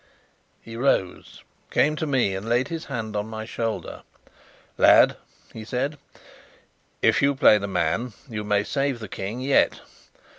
He rose, came to me, and laid his hand on my shoulder. "Lad," he said, "if you play the man, you may save the King yet.